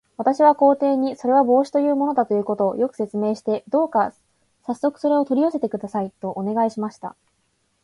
私は皇帝に、それは帽子というものだということを、よく説明して、どうかさっそくそれを取り寄せてください、とお願いしました。